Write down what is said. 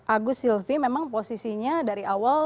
agus silvi memang posisinya dari awal